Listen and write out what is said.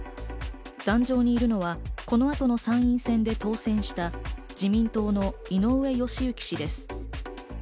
壇上にいるのは、この後の参院選で当選した自民党の井上義行氏です。